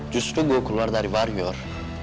justru gue keluar dari barjo